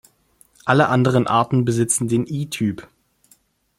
Alle anderen Arten besitzen den I-Typ.